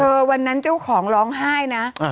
วันนั้นเจ้าของร้องไห้นะ